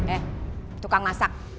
eh tukang masak